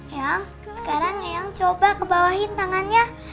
yang sekarang coba ke bawahin tangannya